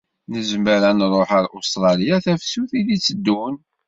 Nezmer ad nṛuḥ ar Ustṛaliya tafsut i d-iteddun.